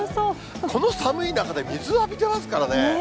この寒い中で水浴びてますからね。